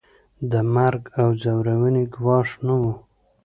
د مرګ او ځورونې ګواښ نه وو.